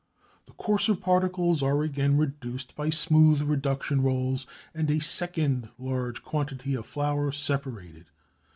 The coarser particles are again reduced by smooth reduction rolls, and a second large quantity of flour separated.